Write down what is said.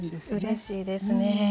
うれしいですね。